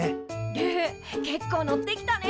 ルー結構乗ってきたね。